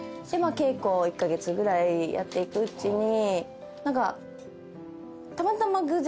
稽古を１カ月ぐらいやっていくうちに。